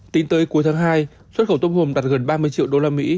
tính tới cuối tháng hai xuất khẩu tôm hồn đạt gần ba mươi triệu usd